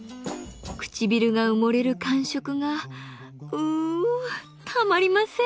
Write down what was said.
唇が埋もれる感触がうんたまりません。